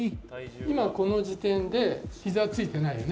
今、この時点でひざ、ついてないよね。